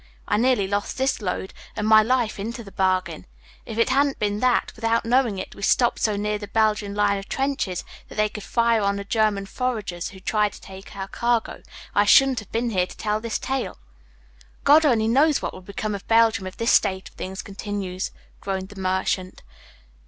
I nearly lost this load, and my life into the bargain. If it hadn't been that, without knowing it, we stopped so near the Belgian line of trenches that they could fire on the German foragers who tried to take our cargo, I shouldn't have been here to tell this tale." "God only knows what will become of Belgium if this state of things continues," groaned the merchant.